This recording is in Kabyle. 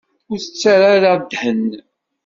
Ur s-ttarra ara ddhen.